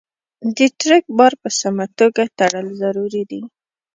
د ټرک بار په سمه توګه تړل ضروري دي.